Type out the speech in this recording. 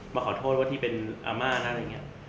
มาขอโทษว่าที่เป็นอาม่านะอะไรอย่างนี้